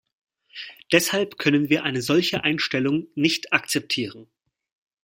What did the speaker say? Deshalb können wir eine solche Einstellung nicht akzeptieren.